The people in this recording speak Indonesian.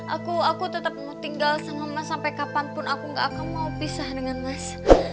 aku aku tetap mau tinggal sama mas sampai kapanpun aku gak akan mau pisah dengan mas